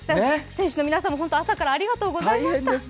選手の皆さんも本当に朝からありがとうございました。